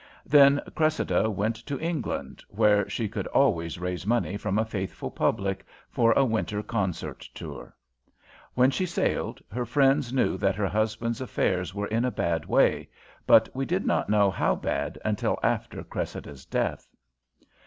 Then Cressida went to England where she could always raise money from a faithful public for a winter concert tour. When she sailed, her friends knew that her husband's affairs were in a bad way; but we did not know how bad until after Cressida's death.